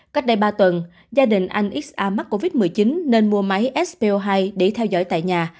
cách đây ba tuần gia đình anh x a mắc covid một mươi chín nên mua máy spo hai để theo dõi tại nhà